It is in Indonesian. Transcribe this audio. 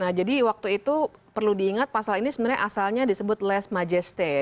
nah jadi waktu itu perlu diingat pasal ini sebenarnya asalnya disebut les majestés ya